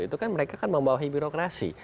itu kan mereka kan membawahi birokrasi